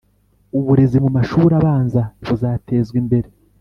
uburezi mu mashuri abanza buzatezwa imbere